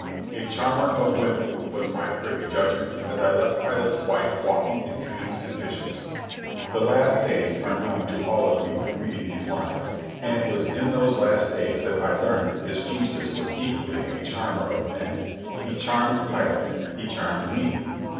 "A charmer of women," was my privy judgment, as I left Pilate's wife walking in dreams and visions. The last days are known to all of you who read these lines, and it was in those last days that I learned that this Jesus was equally a charmer of men. He charmed Pilate. He charmed me.